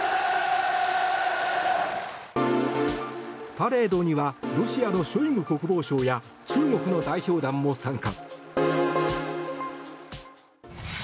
パレードにはロシアのショイグ国防相や中国の代表団も参加。